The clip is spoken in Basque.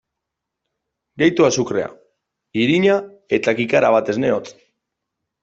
Gehitu azukrea, irina eta kikara bat esne hotz.